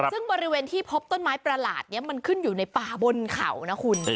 ซึ่งบริเวณที่พบต้นไม้ประหลาดนี้มันขึ้นอยู่ในป่าบนเขานะคุณ